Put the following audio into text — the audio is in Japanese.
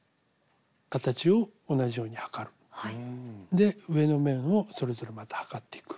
で上の面をそれぞれまた測っていく。